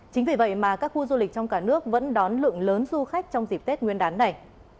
chính vì vậy mà các khu du lịch trong cả nước vẫn đón lượng lớn du khách trong dịp tết nguyên đán này